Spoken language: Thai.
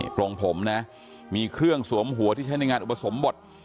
โปรงผมนะมีเครื่องสวมหัวที่ใช้ในงานอุปสมบท